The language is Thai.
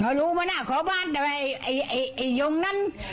เขารู้มานะขอบ้านแต่ว่าไอ้ยงนั้น